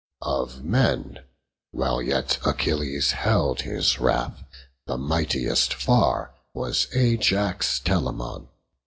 Of men, while yet Achilles held his wrath, The mightiest far was Ajax Telamon.